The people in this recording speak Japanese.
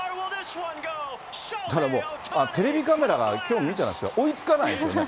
ただもう、テレビカメラが、きょう見てましたら、追いつかないですよね。